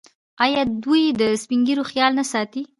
آیا دوی د سپین ږیرو خیال نه ساتي؟